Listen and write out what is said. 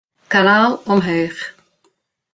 Kanaal omheech.